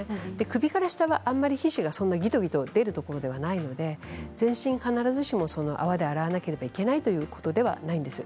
首から下はあまり皮脂が出るところではないので全身必ずしも泡で洗わなければいけないということではないんです。